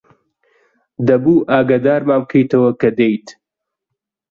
دەبوو ئاگادارمان بکەیتەوە کە دێیت.